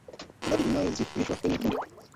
Idadi inayoathiriwa kwenye kundi